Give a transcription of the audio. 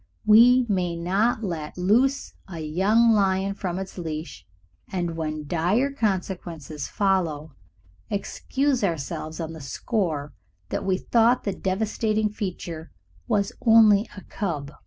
We may not let loose a young lion from its leash, and, when dire consequences follow, excuse ourselves on the score that we thought the devastating feature was "only a cub."